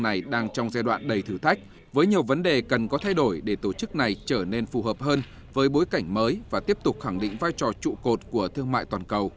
này đang trong giai đoạn đầy thử thách với nhiều vấn đề cần có thay đổi để tổ chức này trở nên phù hợp hơn với bối cảnh mới và tiếp tục khẳng định vai trò trụ cột của thương mại toàn cầu